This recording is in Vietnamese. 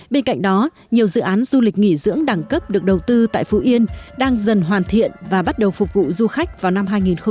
bên cạnh đó nhiều dự án du lịch nghỉ dưỡng đẳng cấp được đầu tư tại phú yên đang dần hoàn thiện và bắt đầu phục vụ du khách vào năm hai nghìn hai mươi